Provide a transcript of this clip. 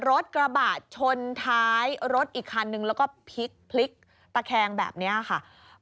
รถกระบะชนท้ายรถอีกคันนึงแล้วก็พลิกพลิกตะแคงแบบนี้ค่ะ